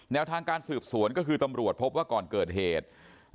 ทางการสืบสวนก็คือตำรวจพบว่าก่อนเกิดเหตุ